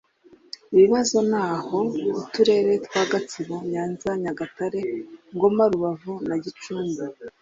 ibibazo naho uturere twa gatsibo nyanza nyagatare ngoma rubavu na gicumbi